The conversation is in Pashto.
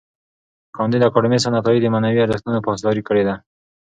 کانديد اکاډميسن عطایي د معنوي ارزښتونو پاسداري کړې ده.